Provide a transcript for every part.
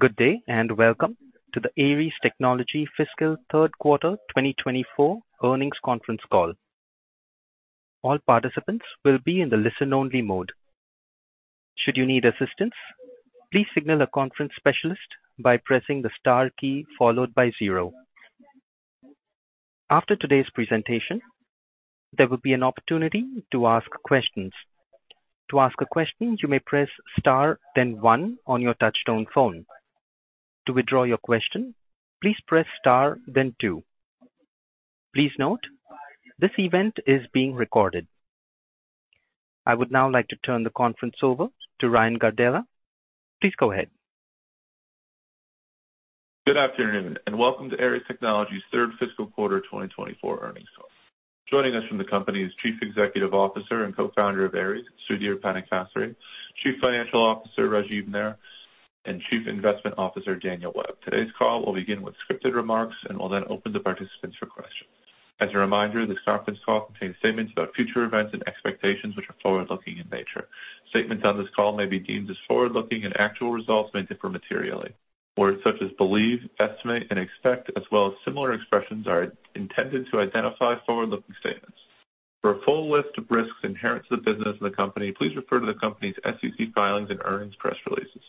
Good day, and welcome to the Aeries Technology Fiscal Third Quarter 2024 Earnings Conference Call. All participants will be in the listen-only mode. Should you need assistance, please signal a conference specialist by pressing the star key followed by zero. After today's presentation, there will be an opportunity to ask questions. To ask a question, you may press star, then one on your touchtone phone. To withdraw your question, please press star, then two. Please note, this event is being recorded. I would now like to turn the conference over to Ryan Gardella. Please go ahead. Good afternoon, and welcome to Aeries Technology's Third Fiscal Quarter 2024 Earnings Call. Joining us from the company is Chief Executive Officer and Co-founder of Aeries, Sudhir Panikassery, Chief Financial Officer, Rajeev Nair, and Chief Investment Officer, Daniel Webb. Today's call will begin with scripted remarks and will then open to participants for questions. As a reminder, this conference call contains statements about future events and expectations, which are forward-looking in nature. Statements on this call may be deemed as forward-looking, and actual results may differ materially. Words such as believe, estimate, and expect, as well as similar expressions, are intended to identify forward-looking statements. For a full list of risks inherent to the business and the company, please refer to the company's SEC filings and earnings press releases.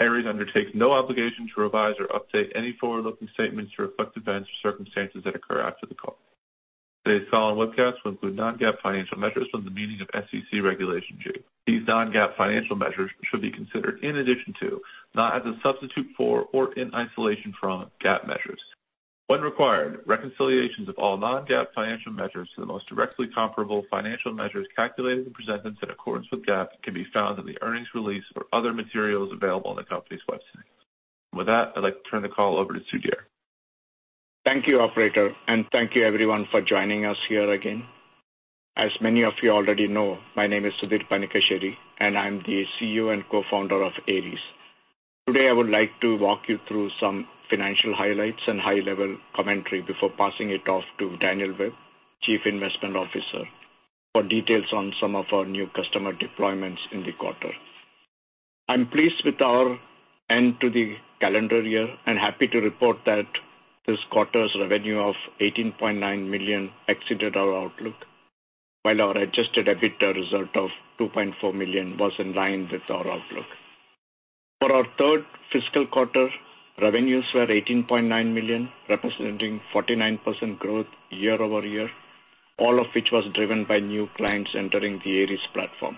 Aeries undertakes no obligation to revise or update any forward-looking statements to reflect events or circumstances that occur after the call. Today's call and webcast will include non-GAAP financial measures within the meaning of SEC Regulation G. These non-GAAP financial measures should be considered in addition to, not as a substitute for or in isolation from GAAP measures. When required, reconciliations of all non-GAAP financial measures to the most directly comparable financial measures calculated and presented in accordance with GAAP can be found in the earnings release or other materials available on the company's website. With that, I'd like to turn the call over to Sudhir. Thank you, operator, and thank you everyone for joining us here again. As many of you already know, my name is Sudhir Panikassery, and I'm the CEO and Co-founder of Aeries. Today, I would like to walk you through some financial highlights and high-level commentary before passing it off to Daniel Webb, Chief Investment Officer, for details on some of our new customer deployments in the quarter. I'm pleased with our end to the calendar year and happy to report that this quarter's revenue of $18.9 million exceeded our outlook, while our adjusted EBITDA result of $2.4 million was in line with our outlook. For our third fiscal quarter, revenues were $18.9 million, representing 49% growth year-over-year, all of which was driven by new clients entering the Aeries platform.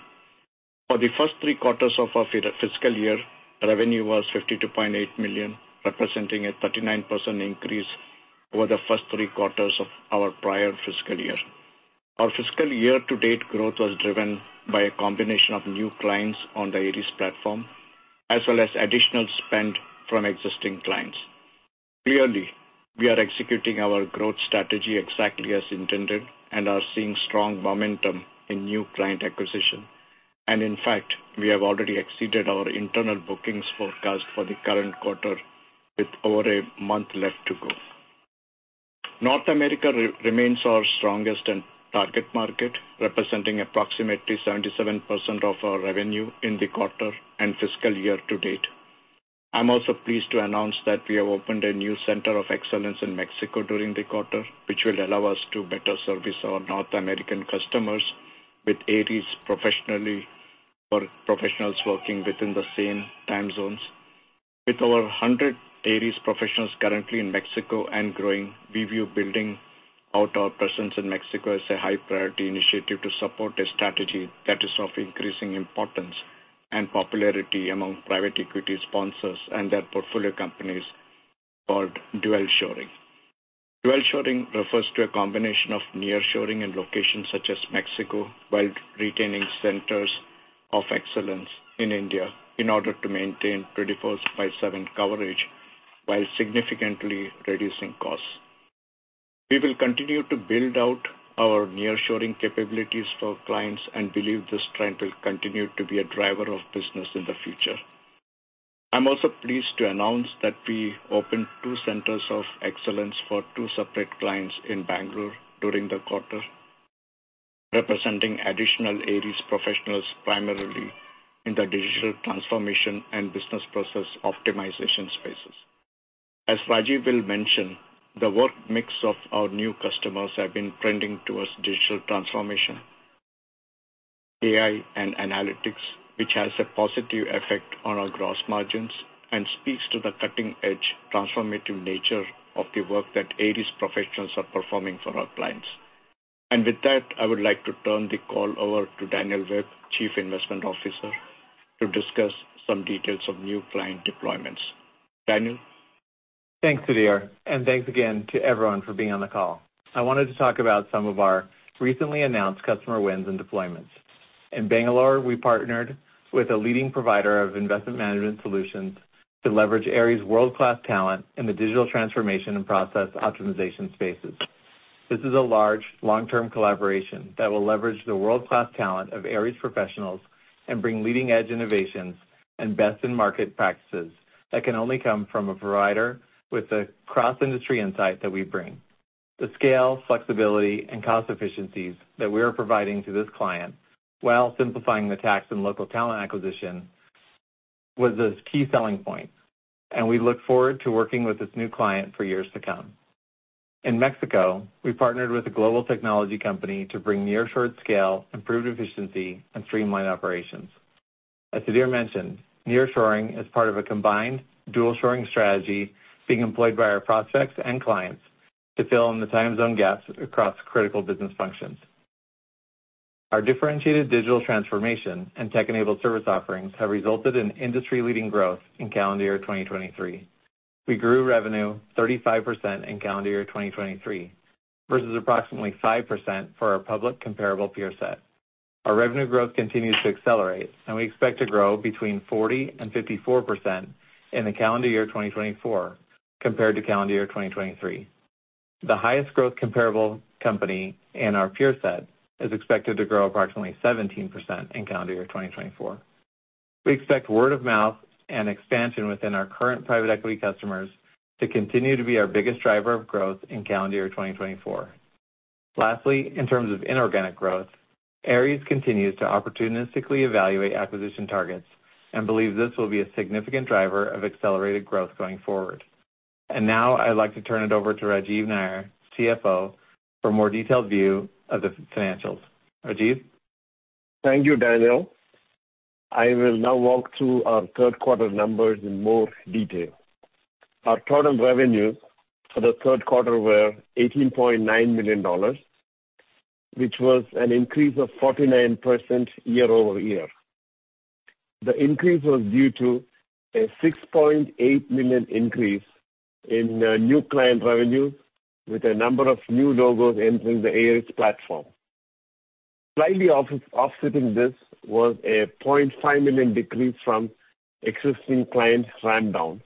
For the first three quarters of our fiscal year, revenue was $52.8 million, representing a 39% increase over the first three quarters of our prior fiscal year. Our fiscal year to date growth was driven by a combination of new clients on the Aeries platform, as well as additional spend from existing clients. Clearly, we are executing our growth strategy exactly as intended and are seeing strong momentum in new client acquisition. And in fact, we have already exceeded our internal bookings forecast for the current quarter with over a month left to go. North America remains our strongest target market, representing approximately 77% of our revenue in the quarter and fiscal year to date. I'm also pleased to announce that we have opened a new center of excellence in Mexico during the quarter, which will allow us to better service our North American customers with Aeries professionals working within the same time zones. With over 100 Aeries professionals currently in Mexico and growing, we view building out our presence in Mexico as a high-priority initiative to support a strategy that is of increasing importance and popularity among private equity sponsors and their portfolio companies, called dual shoring. Dual shoring refers to a combination of nearshoring in locations such as Mexico, while retaining centers of excellence in India in order to maintain 24/7 coverage while significantly reducing costs. We will continue to build out our nearshoring capabilities for clients and believe this trend will continue to be a driver of business in the future. I'm also pleased to announce that we opened two centers of excellence for two separate clients in Bangalore during the quarter, representing additional Aeries professionals, primarily in the digital transformation and business process optimization spaces. As Rajeev will mention, the work mix of our new customers have been trending towards digital transformation, AI, and analytics, which has a positive effect on our gross margins and speaks to the cutting-edge transformative nature of the work that Aeries professionals are performing for our clients. And with that, I would like to turn the call over to Daniel Webb, Chief Investment Officer, to discuss some details of new client deployments. Daniel? Thanks, Sudhir, and thanks again to everyone for being on the call. I wanted to talk about some of our recently announced customer wins and deployments. In Bangalore, we partnered with a leading provider of investment management solutions to leverage Aeries' world-class talent in the digital transformation and process optimization spaces. This is a large, long-term collaboration that will leverage the world-class talent of Aeries professionals and bring leading-edge innovations and best-in-market practices that can only come from a provider with the cross-industry insight that we bring. The scale, flexibility, and cost efficiencies that we are providing to this client, while simplifying the tax and local talent acquisition, was the key selling point, and we look forward to working with this new client for years to come. In Mexico, we partnered with a global technology company to bring nearshore scale, improved efficiency, and streamline operations. As Sudhir mentioned, nearshoring is part of a combined dual-shoring strategy being employed by our prospects and clients to fill in the time zone gaps across critical business functions. Our differentiated digital transformation and tech-enabled service offerings have resulted in industry-leading growth in calendar year 2023. We grew revenue 35% in calendar year 2023, versus approximately 5% for our public comparable peer set. Our revenue growth continues to accelerate, and we expect to grow between 40% and 54% in the calendar year 2024 compared to calendar year 2023. The highest growth comparable company in our peer set is expected to grow approximately 17% in calendar year 2024. We expect word of mouth and expansion within our current private equity customers to continue to be our biggest driver of growth in calendar year 2024. Lastly, in terms of inorganic growth, Aeries continues to opportunistically evaluate acquisition targets and believes this will be a significant driver of accelerated growth going forward. And now I'd like to turn it over to Rajeev Nair, CFO, for a more detailed view of the financials. Rajeev? Thank you, Daniel. I will now walk through our third quarter numbers in more detail. Our total revenues for the third quarter were $18.9 million, which was an increase of 49% year-over-year. The increase was due to a $6.8 million increase in new client revenue, with a number of new logos entering the Aeries platform. Slightly off-offsetting this was a $0.5 million decrease from existing client ramp down.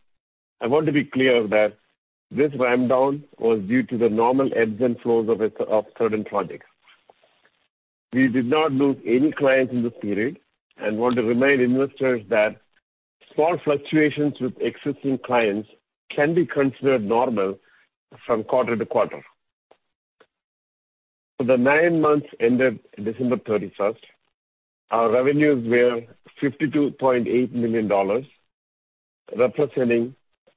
I want to be clear that this ramp down was due to the normal ebbs and flows of certain projects. We did not lose any clients in this period and want to remind investors that small fluctuations with existing clients can be considered normal from quarter to quarter. For the nine months ended December thirty-first, our revenues were $52.8 million, representing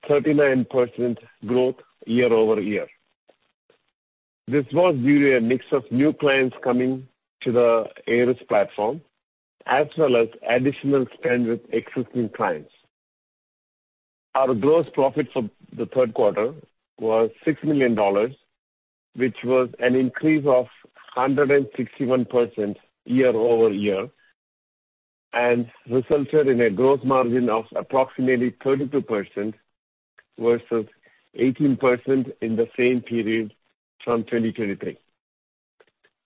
39% growth year-over-year. This was due to a mix of new clients coming to the Aeries platform, as well as additional spend with existing clients. Our gross profits for the third quarter was $6 million, which was an increase of 161% year-over-year, and resulted in a gross margin of approximately 32% versus 18% in the same period from 2023.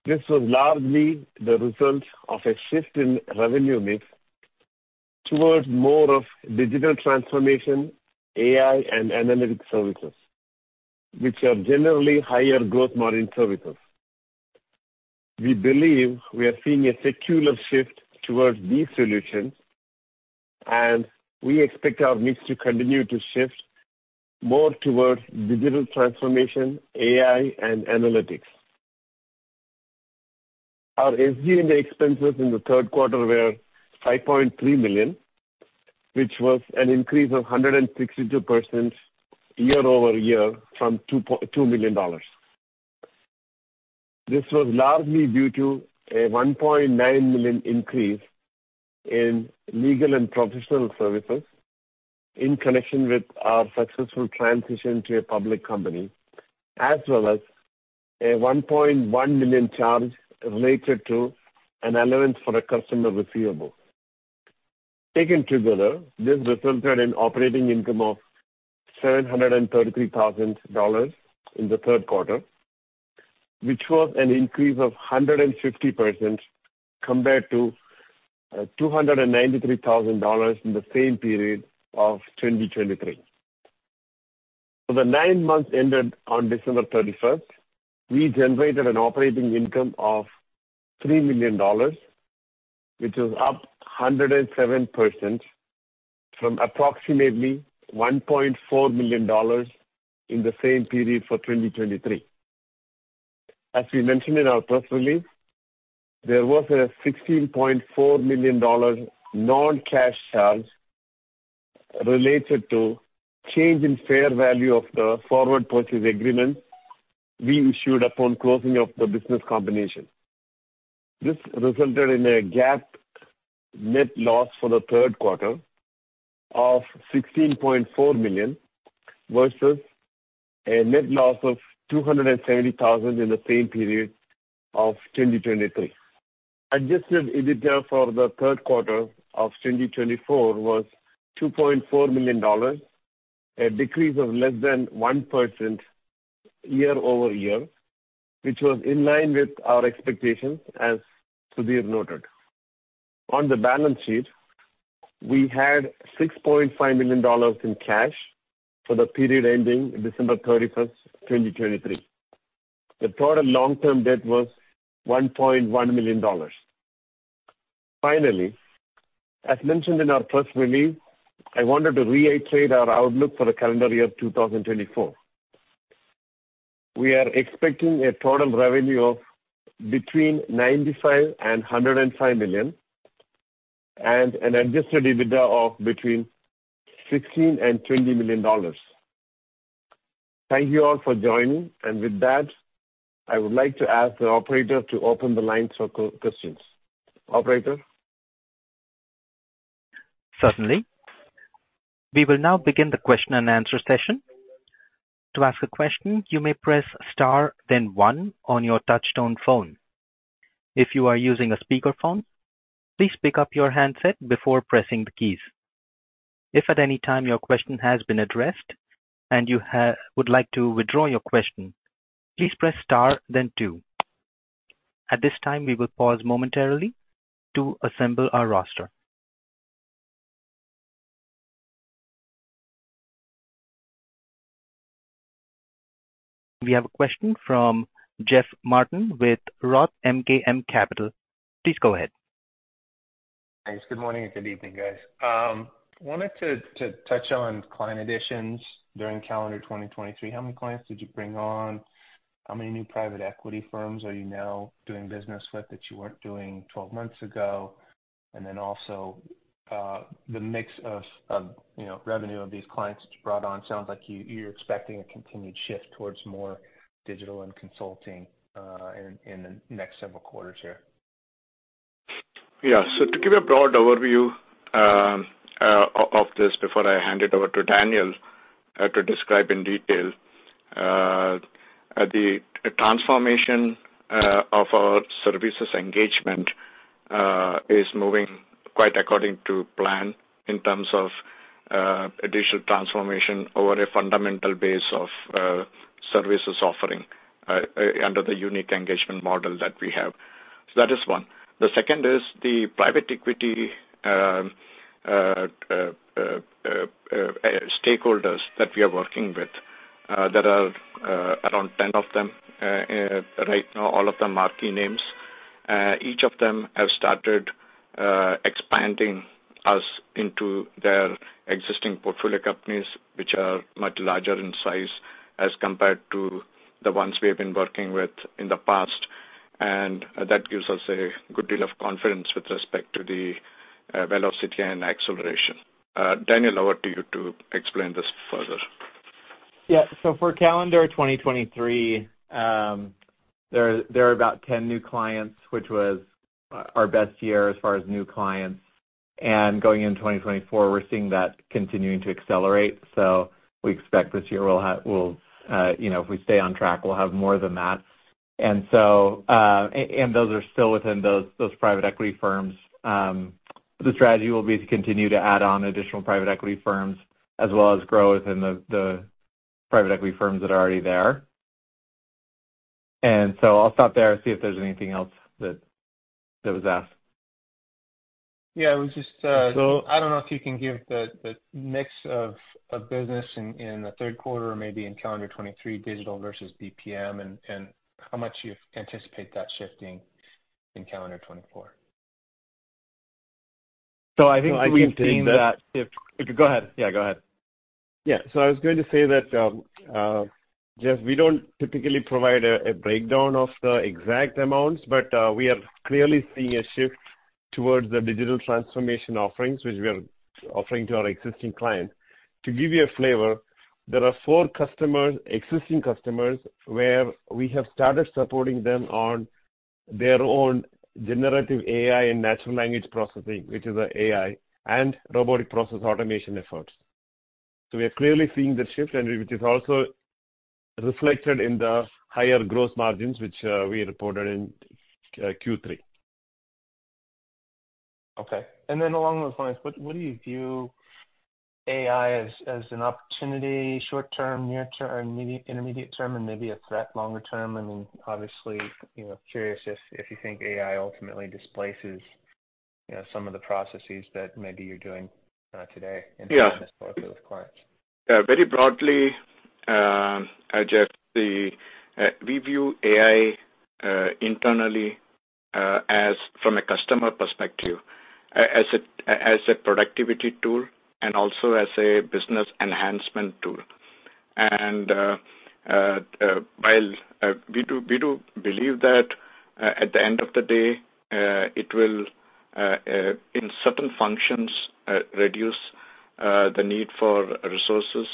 This was largely the result of a shift in revenue mix towards more of digital transformation, AI, and analytics services, which are generally higher gross margin services. We believe we are seeing a secular shift towards these solutions, and we expect our mix to continue to shift more towards digital transformation, AI, and analytics. Our SG&A expenses in the third quarter were $5.3 million, which was an increase of 162% year-over-year from $2 million. This was largely due to a $1.9 million increase in legal and professional services in connection with our successful transition to a public company, as well as a $1.1 million charge related to an allowance for a customer receivable. Taken together, this resulted in operating income of $733,000 in the third quarter, which was an increase of 150% compared to two hundred and ninety-three thousand dollars in the same period of 2023. For the nine months ended on December 31st, we generated an operating income of $3 million, which is up 107% from approximately $1.4 million in the same period for 2023. As we mentioned in our press release, there was a $16.4 million non-cash charge related to change in fair value of the Forward Purchase Agreement we issued upon closing of the business combination. This resulted in a GAAP net loss for the third quarter of $16.4 million, versus a net loss of $270,000 in the same period of 2023. Adjusted EBITDA for the third quarter of 2024 was $2.4 million, a decrease of less than 1% year-over-year, which was in line with our expectations, as Sudhir noted. On the balance sheet, we had $6.5 million in cash for the period ending December 31, 2023. The total long-term debt was $1.1 million. Finally, as mentioned in our press release, I wanted to reiterate our outlook for the calendar year 2024. We are expecting a total revenue of between $95 and $105 million, and an adjusted EBITDA of between $16 and $20 million. Thank you all for joining, and with that, I would like to ask the operator to open the lines for questions. Operator? Certainly. We will now begin the question and answer session. To ask a question, you may press star, then one on your touchtone phone. If you are using a speakerphone, please pick up your handset before pressing the keys. If at any time your question has been addressed and you would like to withdraw your question, please press star then two. At this time, we will pause momentarily to assemble our roster. We have a question from Jeff Martin with Roth MKM Capital. Please go ahead. Thanks. Good morning and good evening, guys. Wanted to touch on client additions during calendar 2023. How many clients did you bring on? How many new private equity firms are you now doing business with that you weren't doing 12 months ago? And then also, the mix of, you know, revenue of these clients brought on, sounds like you're expecting a continued shift towards more digital and consulting, in the next several quarters here. Yeah. So to give a broad overview of this before I hand it over to Daniel to describe in detail. The transformation of our services engagement is moving quite according to plan in terms of additional transformation over a fundamental base of services offering under the unique engagement model that we have. So that is one. The second is the private equity stakeholders that we are working with, there are around 10 of them. Right now, all of them are key names. Each of them have started expanding us into their existing portfolio companies, which are much larger in size as compared to the ones we have been working with in the past, and that gives us a good deal of confidence with respect to the velocity and acceleration. Daniel, over to you to explain this further. Yeah. So for calendar 2023, there are about 10 new clients, which was our best year as far as new clients. And going into 2024, we're seeing that continuing to accelerate. So we expect this year we'll have. You know, if we stay on track, we'll have more than that. And so, and those are still within those private equity firms. The strategy will be to continue to add on additional private equity firms, as well as growth in the private equity firms that are already there. And so I'll stop there and see if there's anything else that was asked. Yeah, it was just, I don't know if you can give the mix of business in the third quarter or maybe in calendar 2023, digital versus BPM, and how much you anticipate that shifting in calendar 2024. Yeah. So I was going to say that, Jeff, we don't typically provide a breakdown of the exact amounts, but, we are clearly seeing a shift towards the digital transformation offerings, which we are offering to our existing clients. To give you a flavor, there are four customers, existing customers, where we have started supporting them on their own generative AI and natural language processing, which is AI and robotic process automation efforts. So we are clearly seeing the shift and which is also reflected in the higher growth margins, which, we reported in, Q3. Okay. And then along those lines, what do you view AI as, as an opportunity short term, near term, intermediate term, and maybe a threat longer term? And then obviously, you know, curious if you think AI ultimately displaces, you know, some of the processes that maybe you're doing today. In this portfolio with clients. Very broadly, Jeff, we view AI internally as, from a customer perspective, as a productivity tool and also as a business enhancement tool. While we do believe that at the end of the day it will, in certain functions, reduce the need for resources,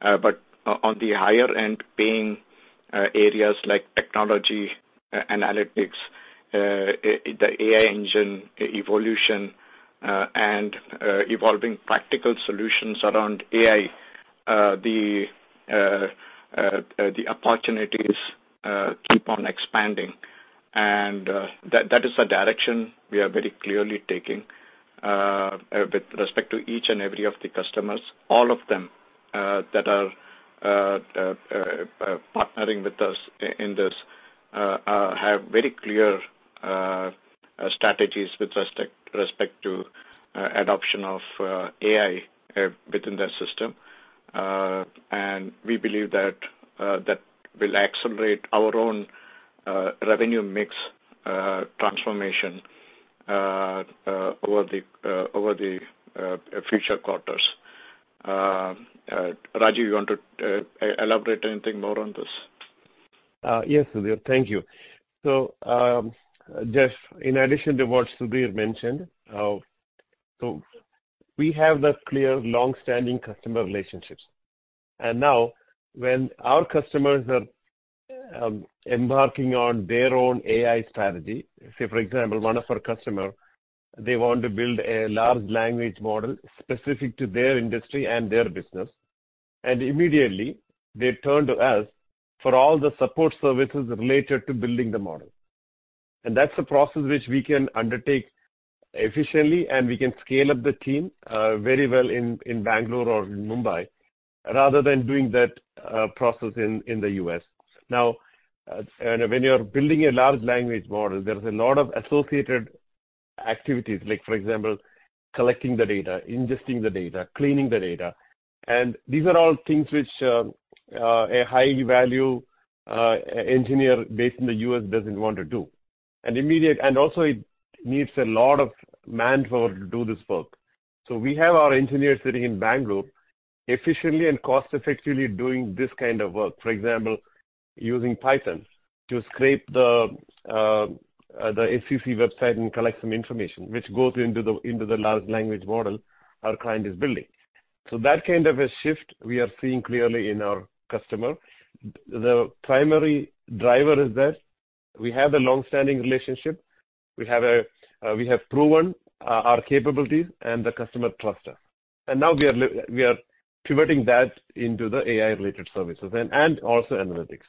but on the higher end paying areas like technology, analytics, the AI engine evolution, and evolving practical solutions around AI, the opportunities keep on expanding. That is the direction we are very clearly taking. With respect to each and every of the customers, all of them, that are partnering with us in this, have very clear strategies with respect to adoption of AI within their system. And we believe that that will accelerate our own revenue mix transformation over the future quarters. Raju, you want to elaborate anything more on this? Yes, Sudhir, thank you. So, Jeff, in addition to what Sudhir mentioned, so we have the clear long-standing customer relationships. And now, when our customers are embarking on their own AI strategy, say, for example, one of our customer, they want to build a large language model specific to their industry and their business. And immediately, they turn to us for all the support services related to building the model. And that's a process which we can undertake efficiently, and we can scale up the team very well in Bangalore or in Mumbai, rather than doing that process in the U.S. Now, and when you're building a large language model, there is a lot of associated activities, like for example, collecting the data, ingesting the data, cleaning the data. These are all things which a high value engineer based in the US doesn't want to do. And also, it needs a lot of manpower to do this work. So we have our engineers sitting in Bangalore, efficiently and cost effectively doing this kind of work. For example, using Python to scrape the SEC website and collect some information, which goes into the large language model our client is building. So that kind of a shift we are seeing clearly in our customer. The primary driver is that we have a long-standing relationship. We have proven our capabilities and the customer trust us. And now we are pivoting that into the AI-related services and also analytics.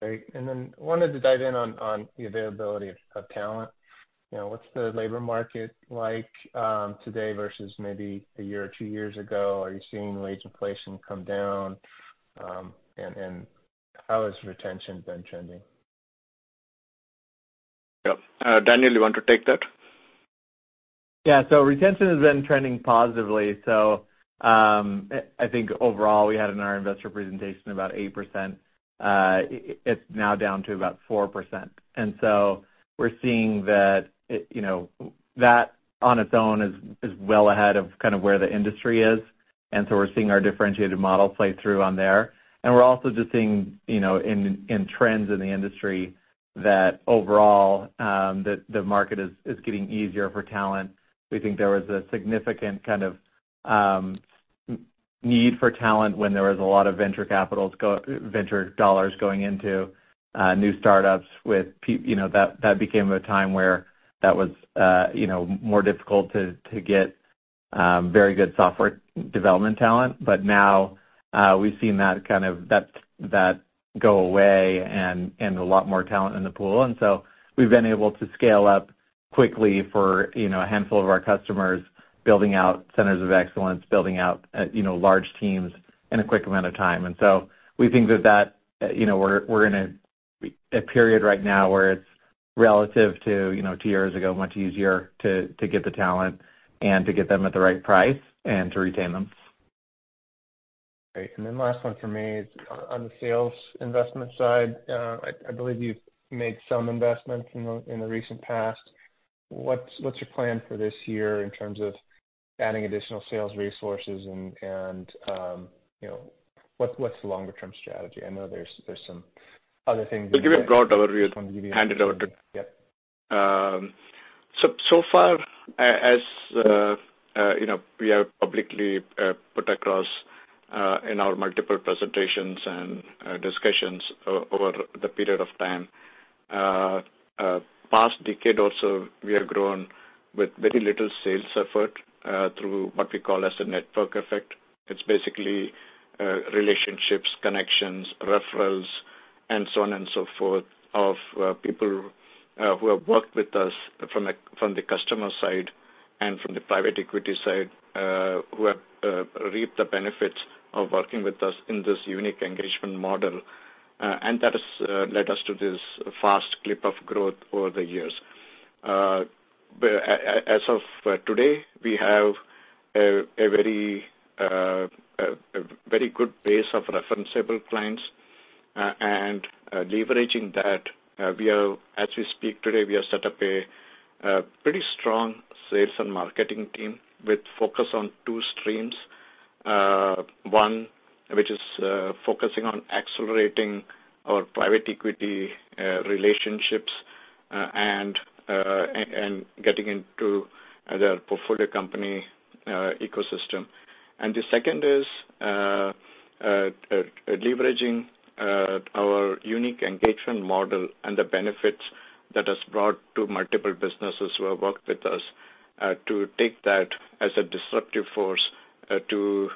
Great. And then wanted to dive in on the availability of talent. You know, what's the labor market like today versus maybe a year or two years ago? Are you seeing wage inflation come down? And how has retention been trending? Yep. Daniel, you want to take that? Yeah. So retention has been trending positively. So, I think overall, we had in our investor presentation about 8%. It's now down to about 4%. And so we're seeing that it. That on its own is well ahead of kind of where the industry is, and so we're seeing our differentiated model play through on there. And we're also just seeing, you know, in trends in the industry, that overall, the market is getting easier for talent. We think there was a significant kind of need for talent when there was a lot of venture dollars going into new startups. You know, that became a time where that was, you know, more difficult to get very good software development talent. But now, we've seen that kind of go away and a lot more talent in the pool. And so we've been able to scale up quickly for, you know, a handful of our customers, building out centers of excellence, building out, you know, large teams in a quick amount of time. And so we think that, you know, we're in a period right now where it's relative to, you know, two years ago, much easier to get the talent and to get them at the right price and to retain them. Great. And then last one for me is on the sales investment side. I believe you've made some investments in the recent past. What's your plan for this year in terms of adding additional sales resources and, you know, what's the longer term strategy? I know there's some other things. We'll give a broad overview, hand it over. We have publicly put across in our multiple presentations and discussions over the period of time past decade also, we have grown with very little sales effort through what we call as the network effect. It's basically relationships, connections, referrals, and so on and so forth of people who have worked with us from the customer side and from the private equity side who have reaped the benefits of working with us in this unique engagement model. And that has led us to this fast clip of growth over the years. But as of today, we have a very good base of referenceable clients, and leveraging that, we have. As we speak today, we have set up a pretty strong sales and marketing team with focus on two streams. One, which is focusing on accelerating our private equity relationships, and getting into their portfolio company ecosystem. And the second is leveraging our unique engagement model and the benefits that has brought to multiple businesses who have worked with us to take that as a disruptive force to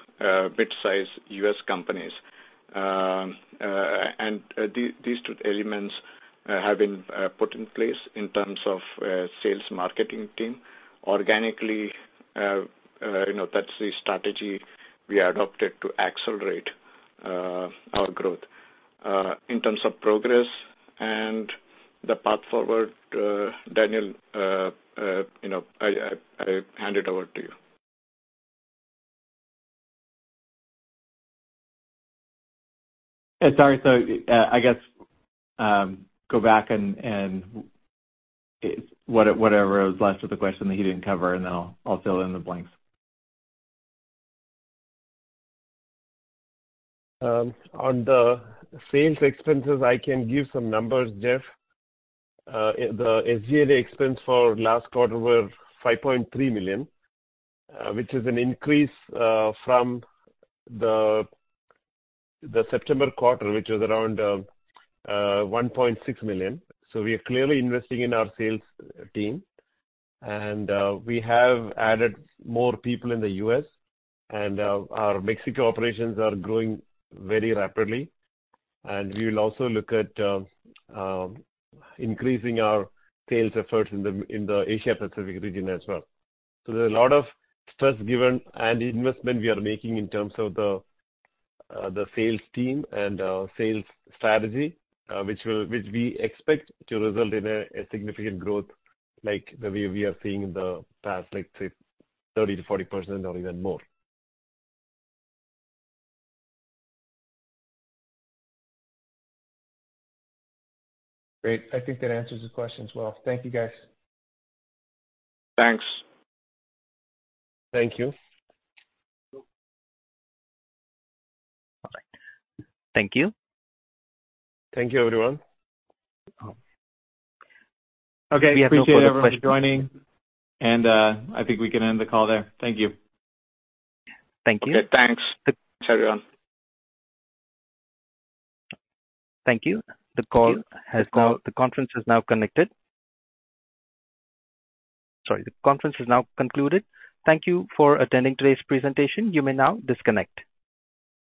mid-size U.S. companies. And these two elements have been put in place in terms of sales marketing team. Organically, you know, that's the strategy we adopted to accelerate our growth in terms of progress and the path forward, Daniel, I hand it over to you. Yeah, sorry. So, I guess, go back and whatever was left of the question that he didn't cover, and then I'll fill in the blanks. On the sales expenses, I can give some numbers, Jeff. The SG&A expense for last quarter were $5.3 million, which is an increase from the September quarter, which was around $1.6 million. So we are clearly investing in our sales team. And we have added more people in the U.S., and our Mexico operations are growing very rapidly. And we will also look at increasing our sales efforts in the Asia Pacific region as well. So there's a lot of stress given and investment we are making in terms of the sales team and sales strategy, which we expect to result in a significant growth, like the way we are seeing in the past, like, say, 30%-40% or even more. Great, I think that answers the questions well. Thank you, guys. Thanks. Thank you. All right. Thank you. Thank you, everyone Okay, appreciate everyone for joining, and, I think we can end the call there. Thank you. Thanks, everyone. Thank you. The call has now, the conference is now connected. Sorry, the conference is now concluded. Thank you for attending today's presentation. You may now disconnect.